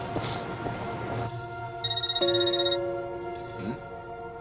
うん？